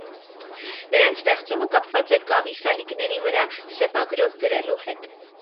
Նրանց ստեղծումը կապված է կավի սալիկների վրա սեպագրով գրելու հետ։